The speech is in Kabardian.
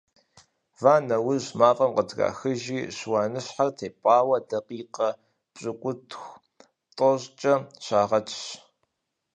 Ва нэужь, мафӀэм къытрахыжри, шыуаныщхьэр тепӀауэ дакъикъэ пщыкӏутху-тӏощӏкӏэ щагъэтщ.